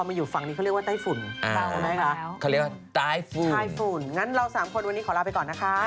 เขาเรียกว่าไต้ฟุ่นใช่ฟุ่นงั้นเราสามคนขอลาไปก่อนนะคะสวัสดีค่ะ